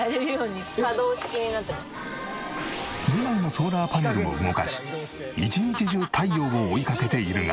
２枚のソーラーパネルを動かし一日中太陽を追いかけているが。